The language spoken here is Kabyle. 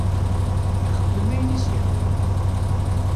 Ixeddem ayen i s-ihwan.